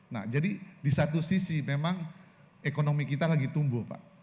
nah jadi di satu sisi memang ekonomi kita lagi tumbuh pak